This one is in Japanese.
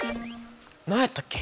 何やったっけ？